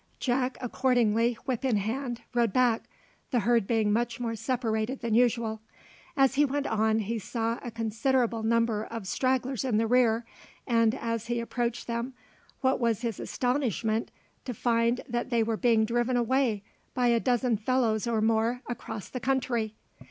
Jack accordingly, whip in hand, rode back, the herd being much more separated than usual. As he went on, he saw a considerable number of stragglers in the rear; and as he approached them, what was his astonishment to find that they were being driven away by a dozen fellows or more across the country!